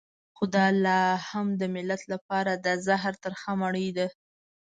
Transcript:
خو دا لا هم د ملت لپاره د زهر ترخه مړۍ ده.